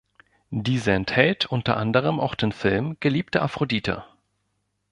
Diese enthält unter anderem auch den Film "Geliebte Aphrodite".